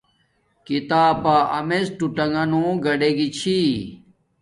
کتابا امیڎ ٹوٹانݣ گاڈے گی چھی